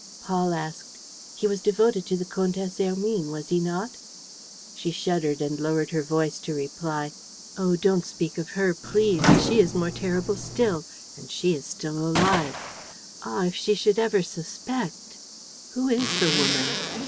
Paul asked: "He was devoted to the Comtesse Hermine, was he not?" She shuddered and lowered her voice to reply: "Oh, don't speak of her, please! She is more terrible still; and she is still alive. Ah, if she should ever suspect!" "Who is the woman?"